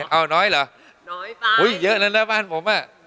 เอ้าน้อยเหรอหุ้ยเยอะแล้วบ้านผมอ่ะ